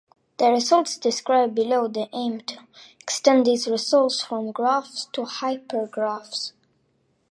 The results described below aim to extend these results from graphs to hypergraphs.